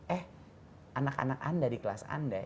eh anak anak anda di kelas anda